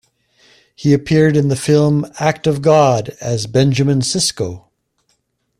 He appeared in the film "Act of God" as Benjamin Cisco.